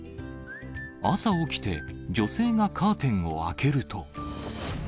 朝起きて、女性がカーテンを開けると。